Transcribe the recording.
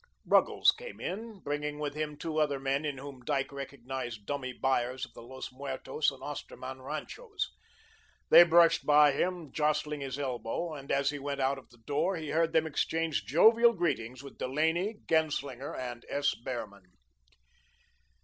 Ruggles came in, bringing with him two other men in whom Dyke recognised dummy buyers of the Los Muertos and Osterman ranchos. They brushed by him, jostling his elbow, and as he went out of the door he heard them exchange jovial greetings with Delaney, Genslinger, and S. Behrman.